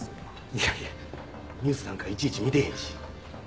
いやいやニュースなんかいちいち見てへんし。